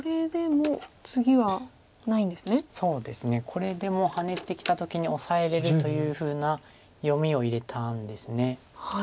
これでもハネてきた時にオサえれるというふうな読みを入れたんです。